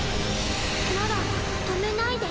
なら止めないで。